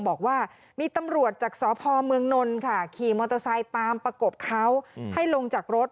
บอกว่ามีตำรวจจากสพเมืองนนท์ค่ะขี่มอเตอร์ไซค์ตามประกบเขาให้ลงจากรถ